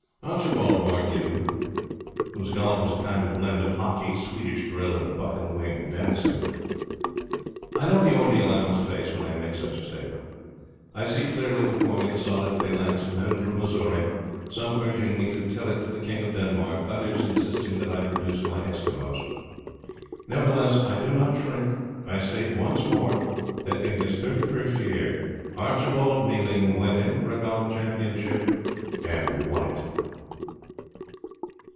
Archibald, mark you, whose golf was a kind of blend of hockey, Swedish drill, and buck and wing dancing. I know the ordeal I must face when I make such a statement. I see clearly before me the solid phalanx of men from Missouri, some urging me to tell it to the King of Denmark, others insisting that I produce my Eskimos. Nevertheless, I do not shrink. I state once more that in his thirty first year Archibald Mealing went in for a golf championship, and won it.